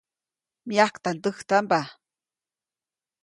Myajktandäjtamba.